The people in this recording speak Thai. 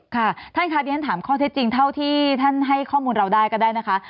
ค่ะท่านค่ะดิฉันถามข้อเท็จจริงเท่าที่ท่านให้ข้อมูลเราได้ก็ได้นะคะ